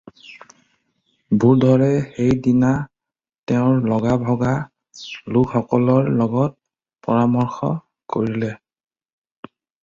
ভূধৰে সেই দিনা তেওঁৰ লগা-ভগা লোকসকলৰ লগত পৰামৰ্শ কৰিলে।